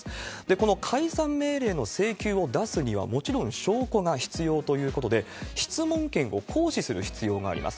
この解散命令の請求を出すには、もちろん証拠が必要ということで、質問権を行使する必要があります。